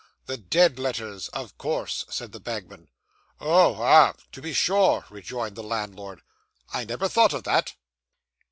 'The dead letters, of course,' said the bagman. 'Oh, ah! To be sure,' rejoined the landlord. 'I never thought of that.